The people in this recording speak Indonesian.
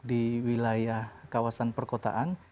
di wilayah kawasan perkotaan